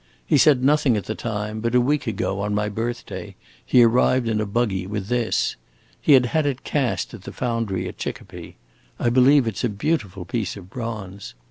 He said nothing at the time, but a week ago, on my birthday, he arrived in a buggy, with this. He had had it cast at the foundry at Chicopee; I believe it 's a beautiful piece of bronze.